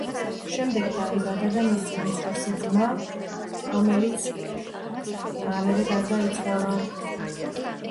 შემდეგ დაიბადა მისი უმცროსი ძმა, რომელიც მალევე გარდაიცვალა.